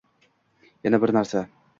Yana bir narsa.